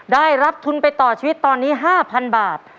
ได้รับทุนไปต่อชีวิตตอนนี้๕๐๐๐บาท